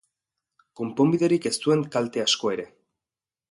Konponbiderik ez duen kalte asko ere.